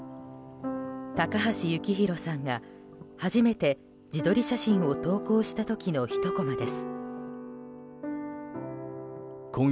高橋幸宏さんが初めて自撮り写真を投稿した時のひとコマです。